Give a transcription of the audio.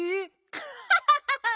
アハハハハ！